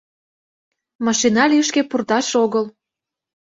— Машина лишке пурташ огыл!